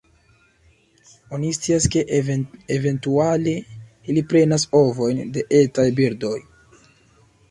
Oni scias, ke eventuale ili prenas ovojn de etaj birdoj.